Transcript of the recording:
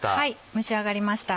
蒸し上がりました。